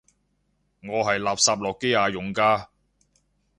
我係垃圾諾基亞用家